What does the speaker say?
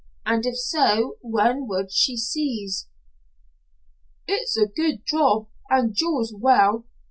And if so when would she cease? "It's a good job and draws well."